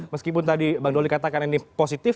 meskipun tadi bang doli katakan ini positif